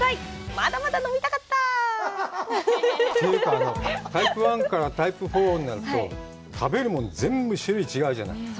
まだまだ飲みたかったー！というか、タイプ１からタイプ４になると食べるもの、全部種類が違うじゃない。